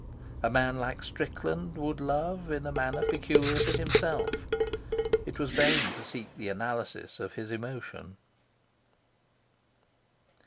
A man like Strickland would love in a manner peculiar to himself. It was vain to seek the analysis of his emotion.